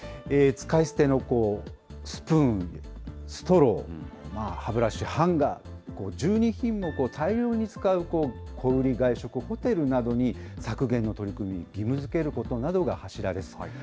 使い捨てのスプーン、ストロー、歯ブラシ、ハンガー、１２品目を大量に使う小売り、外食、ホテルなどに削減の取り組み、義務づけることなどが柱です。